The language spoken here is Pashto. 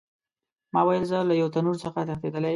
ما ویل زه له یو تنور څخه تښتېدلی یم.